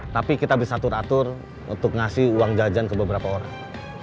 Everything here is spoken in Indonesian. tapi kita bisa atur atur untuk ngasih uang jajan ke beberapa orang